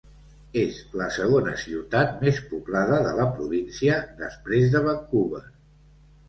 És la segona ciutat més poblada de la província després de Vancouver.